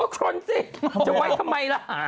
ชนสิจะไว้ทำไมล่ะ